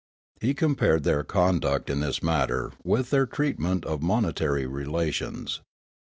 He compared their conduct in this matter with their treatment of monetary relations.